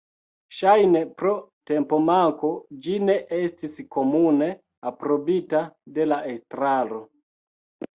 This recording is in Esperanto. Ŝajne pro tempomanko, ĝi ne estis komune aprobita de la estraro.